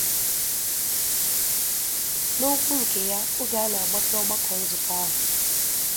N'okwu nke ya oge ọ na-agbape ọgbakọ nkụzi ahụ